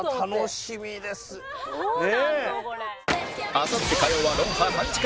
あさって火曜は『ロンハー』３時間